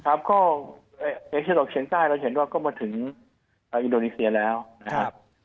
ก็เอเชียงใต้เราเห็นว่าก็มาถึงอินโดนีเซียแล้วนะครับ